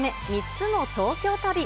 ３つの東京旅。